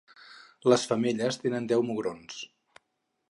Les femelles tenen deu mugrons.